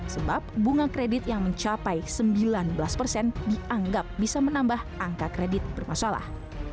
sebab bunga kredit yang mencapai sembilan belas persen dianggap bisa menambah angka kredit bermasalah